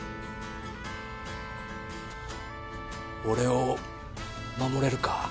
俺を守れるか？